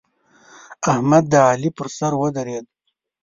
احمد د علي پر سر ودرېد.